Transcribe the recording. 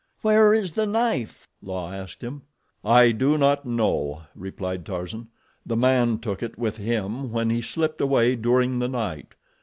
"Where is the knife?" La asked him. "I do not know," replied Tarzan. "The man took it with him when he slipped away during the night.